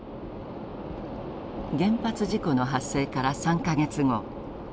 原発事故の発生から３か月後。